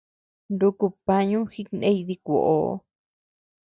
Nuku pañu jikney dikuoʼoo.